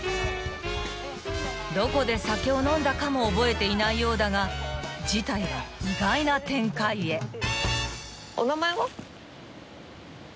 ［どこで酒を飲んだかも覚えていないようだが事態は意外な展開へ］